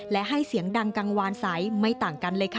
และให้เสียงดังกังวานใสไม่ต่างกันเลยค่ะ